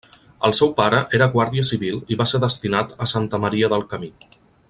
El seu pare era guàrdia civil i va ser destinat a Santa Maria del Camí.